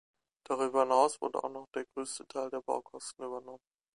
Darüber hinaus wurde auch noch der größte Teil der Baukosten übernommen.